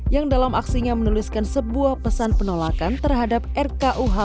yang dalam aksinya menuliskan sebuah pesan penolakan terhadap rkuhp